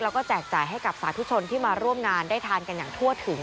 แล้วก็แจกจ่ายให้กับสาธุชนที่มาร่วมงานได้ทานกันอย่างทั่วถึง